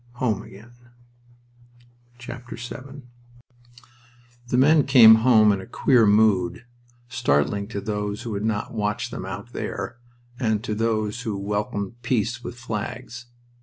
Home again! VII The men came home in a queer mood, startling to those who had not watched them "out there," and to those who welcomed peace with flags.